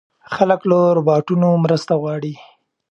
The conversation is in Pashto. خلک له روباټونو مرسته غواړي.